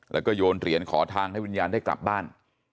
แล้วก็โยนเหรียญขอทางให้วิญญาณได้กลับบ้าน